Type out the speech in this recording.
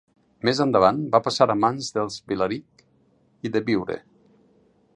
Més endavant va passar a mans dels Vilarig i de Biure.